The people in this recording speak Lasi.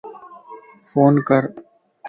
فون ڪر